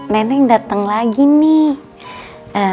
nenek dateng lagi nih